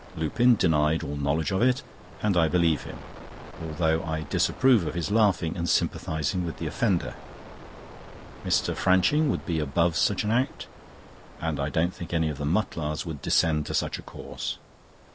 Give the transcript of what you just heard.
Lupin denied all knowledge of it, and I believe him; although I disapprove of his laughing and sympathising with the offender. Mr. Franching would be above such an act; and I don't think any of the Mutlars would descend to such a course.